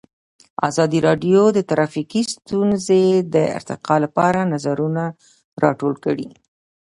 ازادي راډیو د ټرافیکي ستونزې د ارتقا لپاره نظرونه راټول کړي.